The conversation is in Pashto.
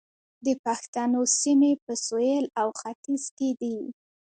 د پښتنو سیمې په سویل او ختیځ کې دي